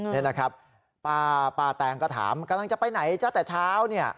นี่นะครับป้าแตงก็ถามกำลังจะไปไหนจ๊ะแต่เช้าเนี่ย